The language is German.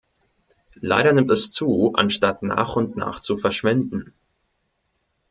Leider nimmt es zu, anstatt nach und nach zu verschwinden.